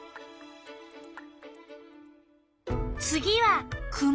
次はクマ。